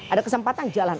ada kesempatan jalan